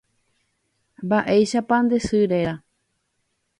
Mba'éichapa nde sy réra.